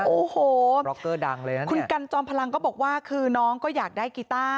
โอ้โหบล็อกเกอร์ดังเลยฮะคุณกันจอมพลังก็บอกว่าคือน้องก็อยากได้กีต้า